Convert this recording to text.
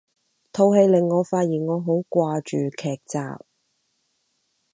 套戲令我發現我好掛住劇集